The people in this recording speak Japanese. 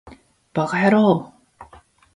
ヴぁかやろう